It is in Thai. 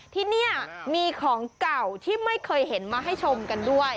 ที่นี่มีของเก่าที่ไม่เคยเห็นมาให้ชมกันด้วย